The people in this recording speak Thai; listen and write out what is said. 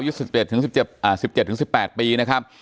ยุทธ๑๑ถึง๑๗ถึง๑๘ปีนะครับ